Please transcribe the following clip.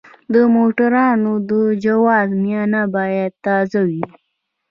د موټروان د جواز معاینه باید تازه وي.